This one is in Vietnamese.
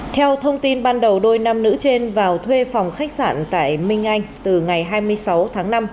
theo thông tin ban đầu đôi nam nữ trên vào thuê phòng khách sạn tại minh anh từ ngày hai mươi sáu tháng năm